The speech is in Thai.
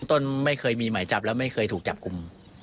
ต้นไม่เคยมีหมายจับแล้วไม่เคยถูกจับกลุ่ม